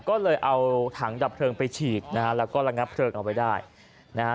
ก็เลยเอาถังดับเพลิงไปฉีดนะฮะแล้วก็ระงับเพลิงเอาไว้ได้นะฮะ